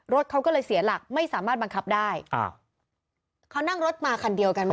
รถเขาก็เลยเสียหลักไม่สามารถบังคับได้อ้าวเขานั่งรถมาคันเดียวกันไหม